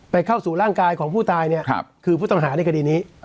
เข้าสู่ร่างกายของผู้ตายเนี่ยคือผู้ต้องหาในคดีนี้